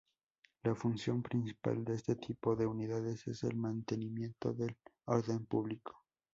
La función principal de este tipo de unidades es el mantenimiento del orden público.